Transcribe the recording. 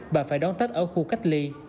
bà phải đón tết ở khu cách ly